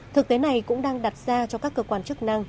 thực tế này cũng đang đặt ra cho các cơ quan chức năng